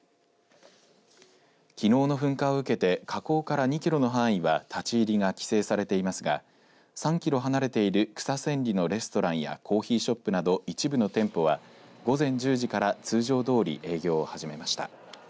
きのうの噴火を受けて火口から２キロの範囲は、立ち入りが規制されていますが３キロ離れている草千里のレストランやコーヒーショップなど一部の店舗は午前１０時から通常どおり営業を始めました。